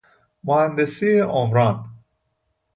مهندسی عمران